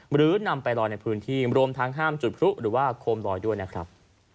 หรือนำไปลอยในพื้นที่รวมทั้งห้ามจุดพลุหรือว่าโคมลอยด้วยนะครับ